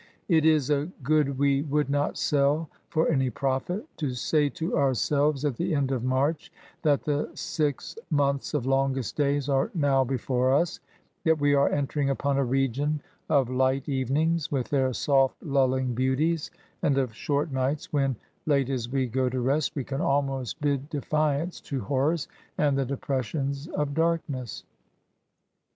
It is a good we would not sell for any profit, to say to ourselves, at the end of March, that the six months of longest days are now before us; that we are entering upon a region of light evenings, with their soft lulling beauties ; and of short nights, when, late as we go to rest, we can almost bid defiance to horrors, and the depressions of darkness.